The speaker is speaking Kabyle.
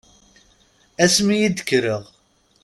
Asmi i d-kkreɣ.